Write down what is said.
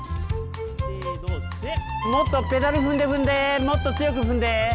もっとペダル踏んで踏んでもっと強く踏んで。